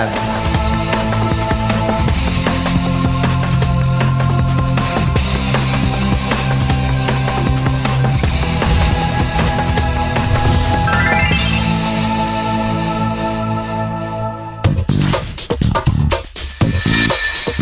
กันได้สิ่งที่มากขึ้น